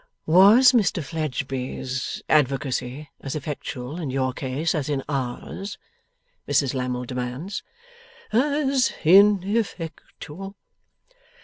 'Was Mr Fledgeby's advocacy as effectual in your case as in ours?' Mrs Lammle demands. 'As ineffectual.